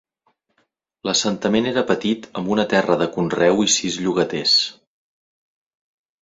L'assentament era petit amb una terra de conreu i sis "llogaters".